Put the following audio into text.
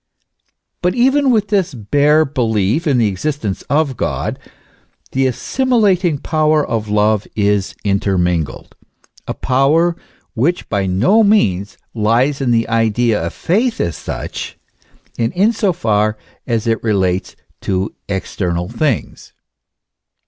f But even with this bare belief in the exist ence of God, the assimilating power of love is intermingled ; a power which by no means lies in the idea of faith as such, and in so far as it relates to external things.